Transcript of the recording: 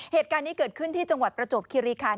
เหตุการณ์นี้เกิดขึ้นที่จังหวัดประจวบคิริคัน